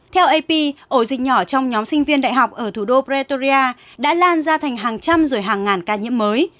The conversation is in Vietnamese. theo ap ổ dịch nhỏ trong nhóm sinh viên đại học ở thủ đô pratoria đã lan ra thành hàng trăm rồi hàng ngàn ca nhiễm mới